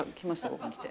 ここにきて。